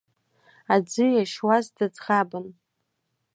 Аӡы иашьуаз дыӡӷабын…